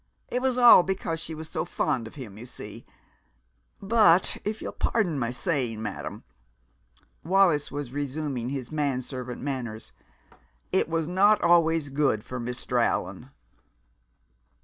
It was all because she was so fond of him, you see. But if you'll pardon my saying so, madam" Wallis was resuming his man servant manners "it was not always good for Mr. Allan."